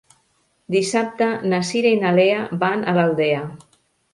Dissabte na Cira i na Lea van a l'Aldea.